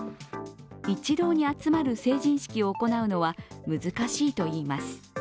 一堂に集まる成人式を行うのは難しいといいます。